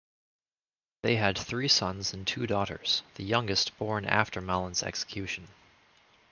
They had three sons and two daughters, the youngest born after Mallin's execution.